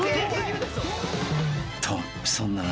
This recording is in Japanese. ［とそんな中］